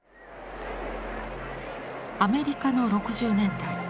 アメリカの６０年代。